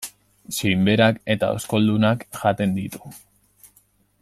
Soinberak eta oskoldunak jaten ditu.